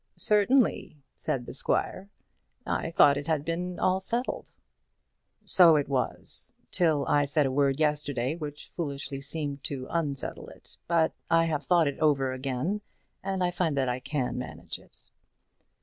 "Certainly," said the squire. "I thought it had been all settled." "So it was; till I said a word yesterday which foolishly seemed to unsettle it. But I have thought it over again, and I find that I can manage it."